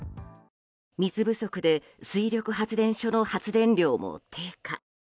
水不足で水力発電所の発電量も低下。